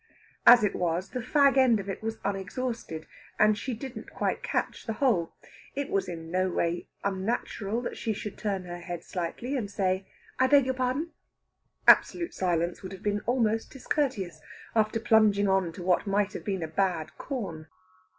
As it was, the fag end of it was unexhausted, and she didn't quite catch the whole. It was in no way unnatural that she should turn her head slightly, and say: "I beg your pardon." Absolute silence would have been almost discourteous, after plunging on to what might have been a bad corn.